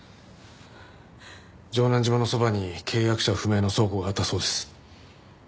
城南島のそばに契約者不明の倉庫があったそうです。